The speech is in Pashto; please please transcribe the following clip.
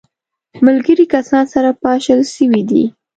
ملګري کسان سره پاشل سوي دي.